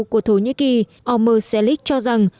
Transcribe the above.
của thổ nhĩ kỳ omar selig cho rằng